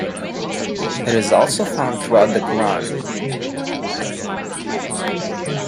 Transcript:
It is also found throughout the Quran.